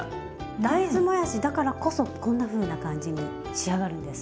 大豆もやしだからこそこんなふうな感じに仕上がるんです。